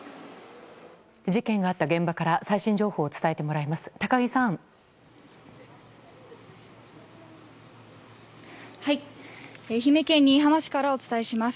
事件があった現場から最新情報を伝えてもらいます。